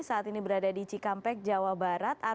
saat ini berada di cikampek jawa barat